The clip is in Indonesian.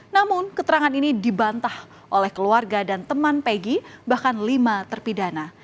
namun keterangan ini dibantah oleh keluarga dan teman peggy bahkan lima terpidana